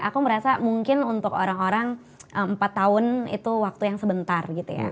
aku merasa mungkin untuk orang orang empat tahun itu waktu yang sebentar gitu ya